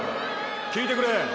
きいてくれ。